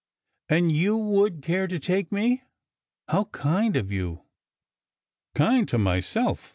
"And you would care to take me? How kind of you!" "Kind to myself.